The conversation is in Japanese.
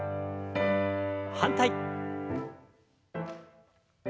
反対。